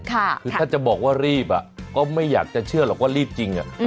คือถ้าจะบอกว่ารีบก็ไม่อยากจะเชื่อหรอกว่ารีบจริง